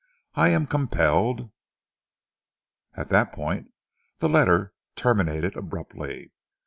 I am compelled At that point the letter terminated abruptly.